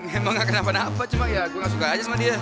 emang ga kenapa napa cuma ya gua ga suka aja sama dia